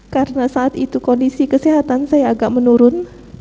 karena saat itu kondisi kesehatan saya agak menurun